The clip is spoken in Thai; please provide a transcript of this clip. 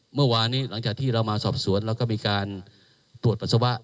เมื่อวานนี้หลังจากที่เรามาสอบสวนเราก็มีการตรวจปัสสาวะ